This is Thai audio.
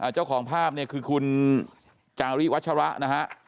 เจ้าของภาพเนี่ยคือคุณจาริวัชระนะฮะ